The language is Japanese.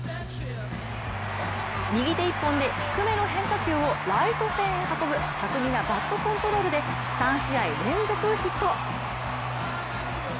右手一本で低めの変化球をライト線へ運ぶ巧みなバットコントロールで３試合連続ヒット。